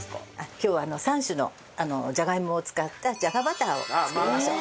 今日は３種のじゃがいもを使ったじゃがバターを作りましょう。